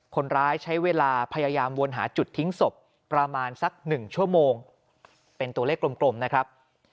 คนร้ายใช้เวลาพยายามวนหาจุดทิ้งศพประมาณสัก๑ชั่วโมงเป็นตัวเลขกลมนะครับ